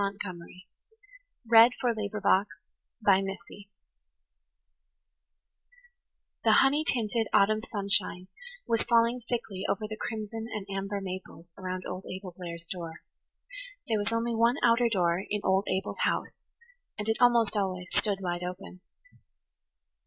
[Page 78] III EACH IN HIS OWN TONGUE THE honey tinted autumn sunshine was falling thickly over the crimson and amber maples around old Abel Blair's door. There was only one outer door in old Abel's house, and it almost always stood wide open.